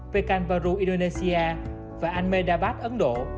pekanbaru indonesia và ahmedabad ấn độ